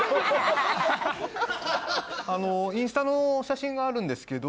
インスタの写真があるんですけど。